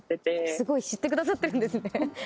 すごい知ってくださってるんですね。